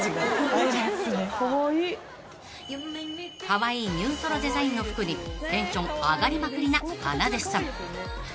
［カワイイニュートロデザインの服にテンション上がりまくりなかなでさん］